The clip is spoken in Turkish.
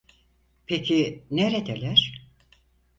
Peki neredeler?